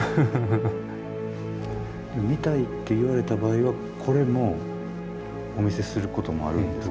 でも見たいって言われた場合はこれもお見せすることもあるんですか？